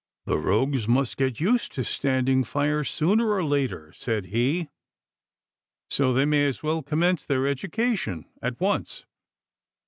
"The rogues must get used to standing fire sooner or later," said he, "so they may as well commence their education at once."